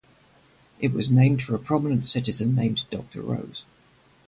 It was named for a prominent citizen named Doctor Rose.